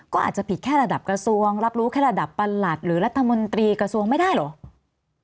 ก็อาจจะผิดแค่ระดับกระทรวงรับรู้แค่ระดับประหลัดหรือรัฐมนตรีกระทรวงไม่ได้เหรอ